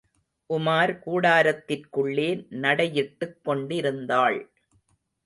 உமார் கூடாரத்திற்குள்ளே நடையிட்டுக் கொண்டிருந்தாள்.